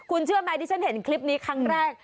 คุณเชื่อไหมที่ฉันเห็นคลิปนี้ครั้งแรก